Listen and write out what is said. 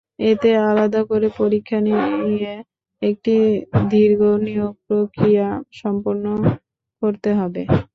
এতে আলাদা করে পরীক্ষা নিয়ে একটি দীর্ঘ নিয়োগ–প্রক্রিয়া সম্পন্ন করতে হবে না।